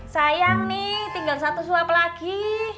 sayang nih tinggal satu suap lagi